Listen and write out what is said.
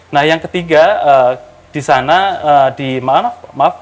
nah yang ketiga di sana di maaf maaf